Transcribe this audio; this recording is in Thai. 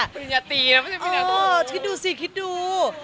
ปริญญาตีนะไม่ใช่ปริญญาภาพอ๋อคิดดูสิคิดดู